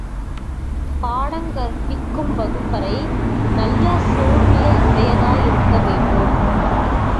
பாடங் கற்பிக்கும் வகுப்பறை நல்ல சூழ்நிலை யுடையதாயிருக்க வேண்டும்.